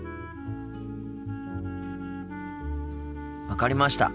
分かりました。